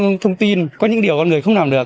những thông tin có những điều con người không làm được